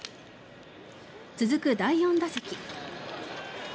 続く第４打席。